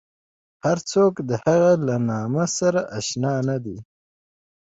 هر څوک د هغې له نامه سره اشنا نه دي.